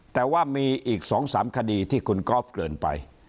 แต่ว่ามีอีก๒๓คดีที่คุณกอล์ฟเกินไป